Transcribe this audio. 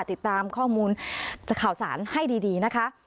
ติดตามข้อมูลข่าวสารให้ดีนะคะ